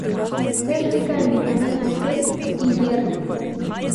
Es rica en vitamina C y hierro.